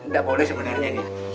gak boleh sebenarnya nih